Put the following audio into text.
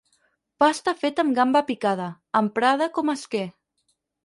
Pasta feta amb gamba picada, emprada com a esquer.